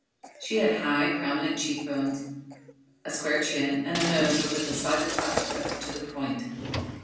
She had high, prominent cheek bones, a square chin and a nose with a decided uplift to the point.